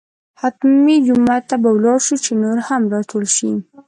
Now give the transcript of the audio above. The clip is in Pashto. حتمي جومات ته به لاړ شو چې نور هم راټول شي.